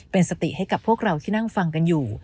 เป็นสติให้กับพวกเราที่นั่งฟังกันอยู่